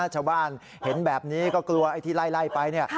ชาวบ้านเห็นแบบนี้ก็กลัวไอ้ที่ไล่ไปเนี่ย